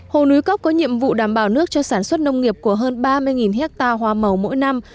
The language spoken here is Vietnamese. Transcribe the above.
hồ núi cốc có nhiệm vụ đảm bảo nước cho sản xuất nông nghiệp của hơn ba mươi hectare hoa màu mỗi năm